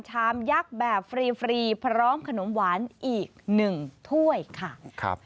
ชามยักษ์แบบฟรีพร้อมขนมหวานอีก๑ถ้วยค่ะ